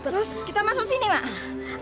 terus kita masuk sini lah